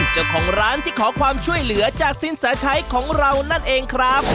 เจ้าของร้านที่ขอความช่วยเหลือจากสินแสชัยของเรานั่นเองครับ